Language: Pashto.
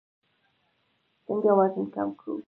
څنګه وزن کم کړو؟